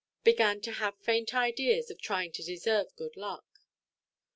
—began to have faint ideas of trying to deserve good luck.